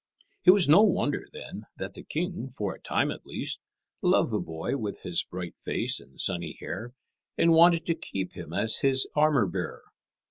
It was no wonder, then, that the king, for a time at least, loved the boy with his bright face and sunny hair, and wanted to keep him as his armour bearer.